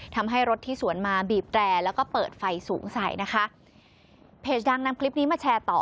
ทำให้รถที่สวนมาบีบแตรแล้วก็เปิดไฟสูงใสนะคะเพจดังนำคลิปนี้มาแชร์ต่อ